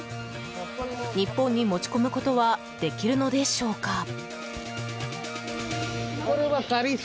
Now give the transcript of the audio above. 日本に持ち込むことはできるのでしょうか。